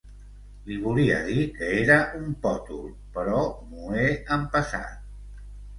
Li volia dir que era un pòtol, però m'ho he empassat.